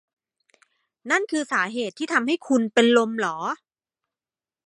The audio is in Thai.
นั่นคือสาเหตุที่ทำให้คุณเป็นลมเหรอ